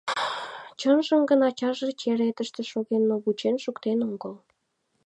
Чынжым гын, ачаже черетыште шоген, но вучен шуктен огыл.